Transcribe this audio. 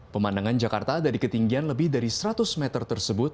pemandangan jakarta dari ketinggian lebih dari seratus meter tersebut